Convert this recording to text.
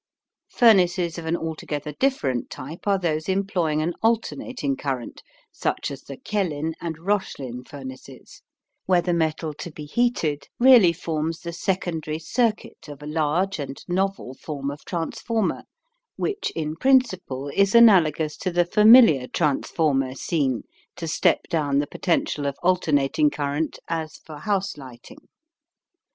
Furnaces of an altogether different type are those employing an alternating current, such as the Kjellin and Rochling furnaces, where the metal to be heated really forms the secondary circuit of a large and novel form of transformer which in principle is analogous to the familiar transformer seen to step down the potential of alternating current as for house lighting.